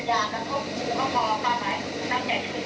อยากกระทบกูก็พอตั้งแต่ชื่อจริง